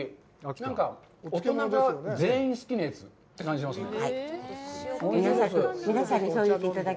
大人が全員好きなやつって感じがしますね。